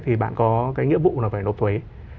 thì bạn có cái nghĩa vụ là phải nộp thuế